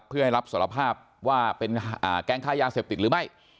เพื่อให้รับสรรพาพว่าใคร้ญากเศรษฐกิจหรือไม่